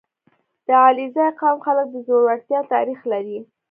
• د علیزي قوم خلک د زړورتیا تاریخ لري.